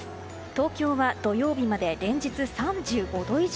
東京は土曜日まで連日３５度以上。